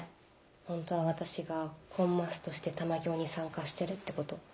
ホントは私がコンマスとして玉響に参加してるってこと。